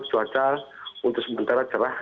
cuaca untuk sementara cerah